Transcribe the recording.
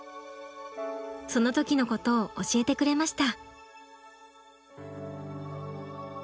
その時のことを教えてくれました。